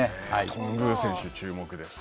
頓宮選手、注目です。